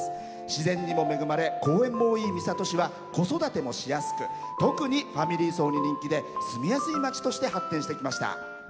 自然にも恵まれ公園も多い三郷市は子育てもしやすく特にファミリー層に人気で住みやすい街として発展してきました。